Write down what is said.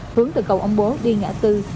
hướng từ cầu ông bố đi ngã bốn năm trăm năm mươi